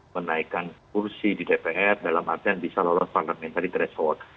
menaikkan kursi di dpr dalam artian bisa lolos parliamentary threshold